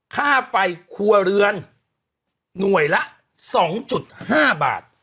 ค่าไฟครัวเรือนหน่วยละ๒๕บาท